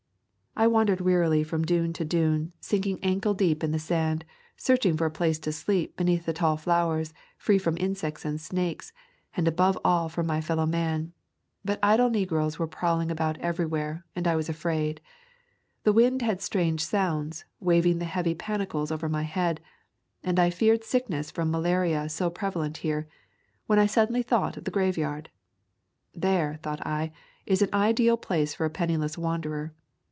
I wandered wearily from dune to dune sink [ 72 ] Camping among the Tombs ing ankle deep in the sand, searching for a place to sleep beneath the tall flowers, free from insects and snakes, and above all from my fel low man. But idle negroes were prowling about everywhere, and I was afraid. The wind had strange sounds, waving the heavy panicles over my head, and I feared sickness from ma laria so prevalent here, when I suddenly thought of the graveyard. "There," thought I, "is an ideal place for a penniless wanderer.